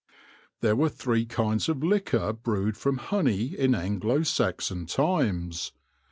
There were three kinds of liquor brewed from honey in Anglo Saxon times.